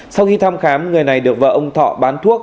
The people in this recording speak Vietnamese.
sau khi thăm khám người này được vợ ông thọ bán thuốc